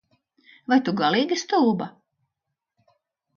Vai tu galīgi stulba?